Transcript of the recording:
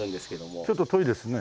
ちょっと遠いですね。